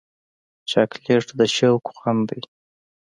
چاکلېټ د شوق خوند دی.